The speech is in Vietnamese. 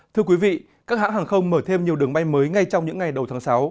thưa quý vị các hãng hàng không mở thêm nhiều đường bay mới ngay trong những ngày đầu tháng sáu